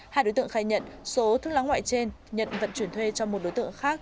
hai đối tượng khai nhận số thuốc lá ngoại trên nhận vận chuyển thuê cho một đối tượng khác